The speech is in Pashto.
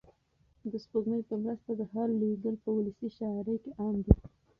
د سپوږمۍ په مرسته د حال لېږل په ولسي شاعرۍ کې عام دي.